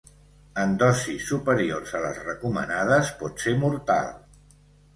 En dosis superiors a les recomanades pot ser mortal.